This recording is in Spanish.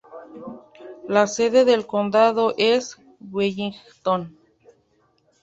La sede del condado es Wellington.